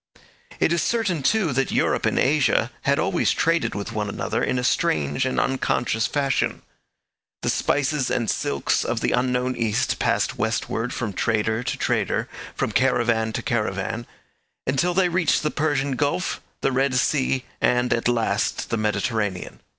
It is certain, too, that Europe and Asia had always traded with one another in a strange and unconscious fashion. The spices and silks of the unknown East passed westward from trader to trader, from caravan to caravan, until they reached the Persian Gulf, the Red Sea, and, at last, the Mediterranean.